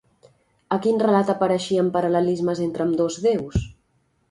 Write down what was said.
A quin relat apareixien paral·lelismes entre ambdós déus?